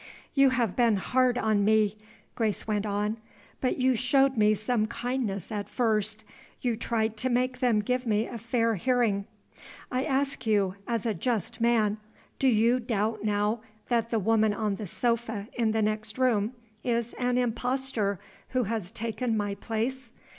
"You have been hard on me," Grace went on. "But you showed me some kindness at first; you tried to make them give me a fair hearing. I ask you, as a just man, do you doubt now that the woman on the sofa in the next room is an impostor who has taken my place?